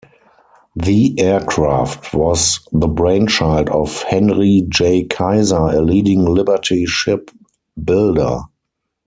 The aircraft was the brainchild of Henry J. Kaiser, a leading Liberty ship builder.